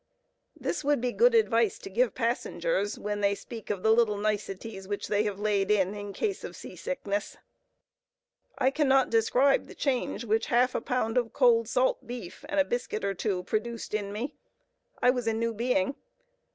This would be good advice to give passengers, when they speak of the little niceties which they have laid in, in case of sea sickness. I cannot describe the change which half a pound of cold salt beef and a biscuit or two produced in me. I was a new being.